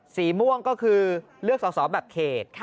สีม่วงก็คือเลือกสอสอแบบเขต